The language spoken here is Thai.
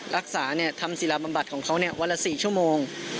รักษาทำศิลาบำบัดของเขาวันละ๔ชั่วโมง